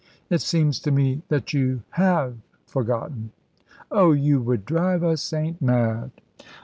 "It seems to me that you have forgotten." "Oh! You would drive a saint mad."